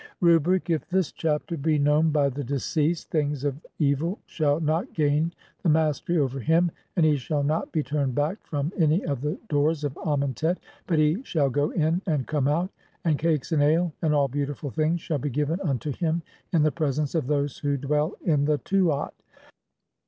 Rubric : (24) if this chapter be known [by the deceased] things OF EVIL SHALL NOT GAIN THE MASTERY OVER HIM, AND HE SHALL NOT BE TURNED BACK FROM ANY OF THE DOORS OF AMENTET ; BUT HE SHALL (25) GO IN AND COME OUT, AND CAKES, AND ALE, AND ALL BEAUTIFUL THINGS SHALL BE GIVEN UNTO HIM IN THE PRESENCE OF THOSE WHO DWELL IN THE TUAT.